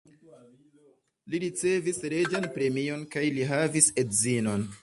Li ricevis reĝan premion kaj li havis edzinon.